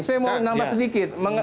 saya mau nambah sedikit